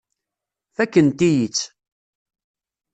Fakkent-iyi-tt.